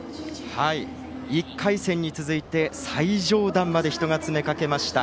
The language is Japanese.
１回戦に続いて、最上段まで人が詰めかけました。